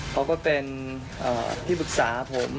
เขาก็เป็นที่ปรึกษาผม